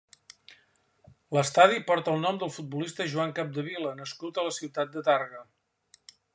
L'estadi porta el nom del futbolista Joan Capdevila nascut a la ciutat de Tàrrega.